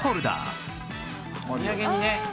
お土産にね。